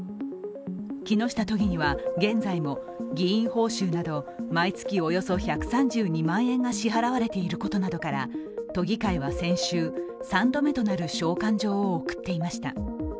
木下都議には現在も議員報酬など毎月およそ１３２万円が支払われていることなどから都議会は先週３度目となる召喚状を送っていました。